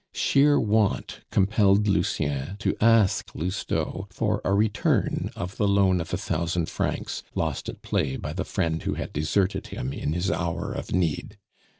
Sheer want compelled Lucien to ask Lousteau for a return of the loan of a thousand francs lost at play by the friend who had deserted him in his hour of need.